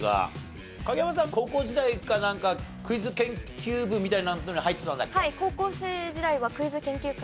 高校時代かなんかクイズ研究部みたいなのに入ってたんだっけ？